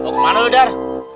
mau ke mana lu badar